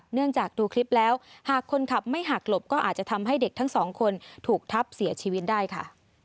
เนื่องจากดูคลิปแล้วหากคนขับไม่หักหลบก็อาจจะทำให้เด็กทั้งสองคนถูกทับเสียชีวิตได้ค่ะ